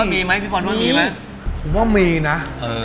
พี่บ่อนว่ามีมั้ย